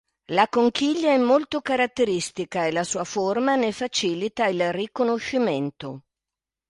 La conchiglia è molto caratteristica e la sua forma ne facilita il riconoscimento.